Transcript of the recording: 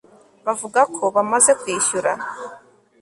bavuga ko bamaze kwishyura